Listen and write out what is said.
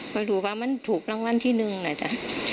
ก็ดูว่ามันถูกรางวัลที่หนึ่งนะจ๊ะ